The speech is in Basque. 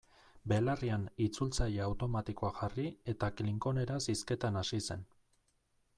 Belarrian itzultzaile automatikoa jarri eta klingoneraz hizketan hasi zen.